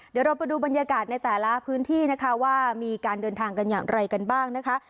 เดี๋ยวเราไปดูบรรยากาศในแต่ละพื้นที่นะคะว่ามีการเดินทางกันอย่างไรกันบ้างนะคะ